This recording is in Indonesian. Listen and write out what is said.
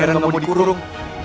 bang erang gak mau dikurung